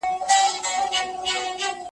انګازې به یې خپرې سوې په درو کي .